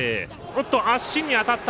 足に当たった。